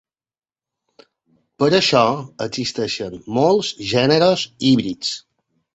Per això existeixen molts gèneres híbrids.